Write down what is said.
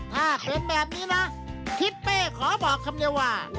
ถ้าเป็นแบบนี้นะคิดไปขอบอกคำนี้ว่า